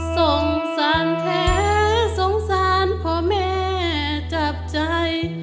สงสารแท้สงสารพ่อแม่จับใจ